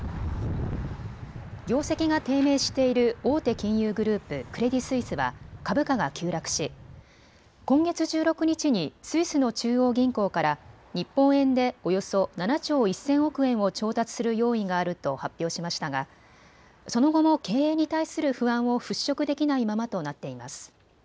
業績が低迷している大手金融グループ、クレディ・スイスは株価が急落し今月１６日にスイスの中央銀行から日本円でおよそ７兆１０００億円を調達する用意があると発表しましたがその後も経営に対する不安を払拭できないままとなっています。